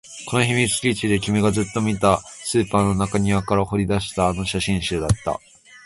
この秘密基地で君がずっと見ていた、スーパーの中庭から掘り出したあの写真集だった